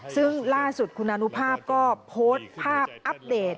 ซึ่งล่าสุดคุณอนุภาพก็โพสต์ภาพอัปเดต